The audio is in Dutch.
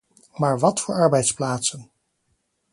Maar wat voor arbeidsplaatsen?